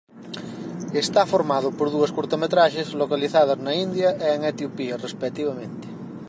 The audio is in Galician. Está formado por dúas curtametraxes localizadas na India e en Etiopía respectivamente.